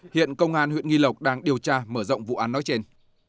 hiện công an huyện nghi lộc đang điều tra mở rộng vụ án nói trên